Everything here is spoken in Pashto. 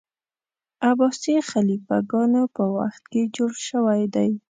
عباسي خلیفه ګانو په وخت کي جوړ سوی دی.